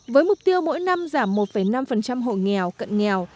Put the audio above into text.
với mục tiêu mỗi năm giảm một năm hộ nghèo cận nghèo